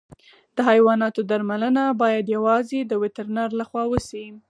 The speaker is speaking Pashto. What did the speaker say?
د حیواناتو درملنه باید یوازې د وترنر له خوا وشي.